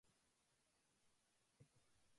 外国企業の誘致